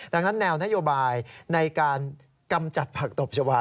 ดังนั้นแนวนโยบายในการกำจัดผักตบชาวา